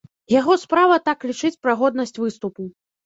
Яго справа так лічыць пра годнасць выступу.